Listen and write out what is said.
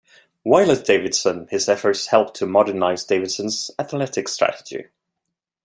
While at Davidson, his efforts helped to modernize Davidson's athletics strategy.